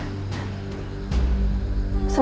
putri kurara santang